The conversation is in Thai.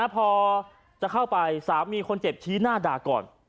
พอจะเข้าไปสามีคนเจ็บชี้หน้าด่าก่อน